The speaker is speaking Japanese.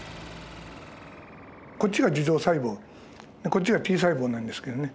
こっちが樹状細胞こっちがＴ細胞なんですけどね。